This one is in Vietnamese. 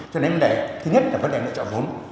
cho nên vấn đề thứ nhất là vấn đề lựa chọn vốn